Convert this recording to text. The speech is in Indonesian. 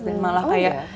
dan malah kayak